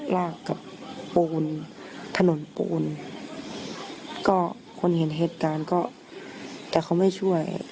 ลากกับปูนถนนปูนก็คนเห็นเหตุการณ์ก็แต่เขาไม่ช่วย